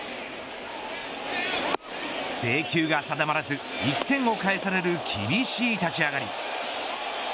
制球が定まらず１点を返される厳しい立ち上がり。